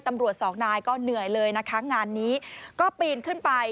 ตำรวจสองนายก็เหนื่อยเลยนะคะงานนี้ก็ปีนขึ้นไป